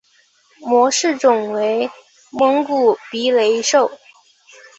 模式种为蒙古鼻雷兽。